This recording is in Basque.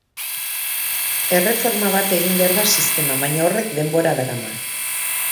Erreforma bat egin behar da sisteman, baina horrek denbora darama.